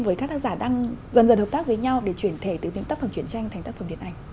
với các tác giả đang dần dần hợp tác với nhau để chuyển thể từ những tác phẩm chuyển tranh thành tác phẩm điện ảnh